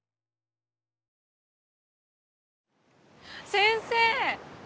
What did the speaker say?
先生！